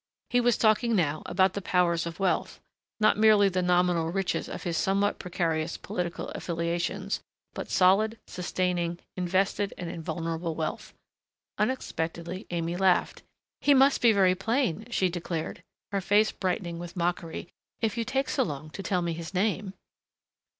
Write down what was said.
He was talking now about the powers of wealth, not merely the nominal riches of his somewhat precarious political affiliations, but solid, sustaining, invested and invulnerable wealth. Unexpectedly Aimée laughed. "He must be very plain," she declared, her face brightening with mockery, "if you take so long to tell me his name!"